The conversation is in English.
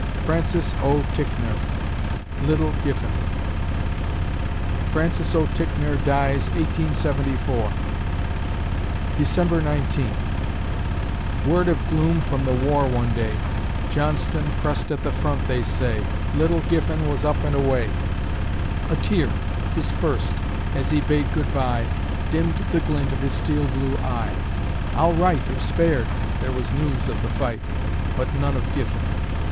FRANCIS O. TICKNOR ("Little Giffen") Francis O. Ticknor dies, 1874 December Nineteenth Word of gloom from the war, one day; Johnston pressed at the front, they say. Little Giffen was up and away; A tear his first as he bade good bye, Dimmed the glint of his steel blue eye. "I'll write, if spared!" There was news of the fight; But none of Giffen.